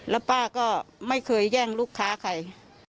แล้วป้าก็ไม่เคยแย่งลูกค้าใคร